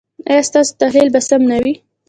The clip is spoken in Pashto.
ایا ستاسو تحلیل به سم نه وي؟